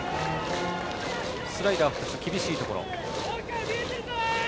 スライダー２つ厳しいところ。